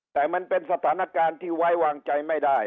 แต่มันเป็นสถานการณ์ที่ไว้วางใจไม่ได้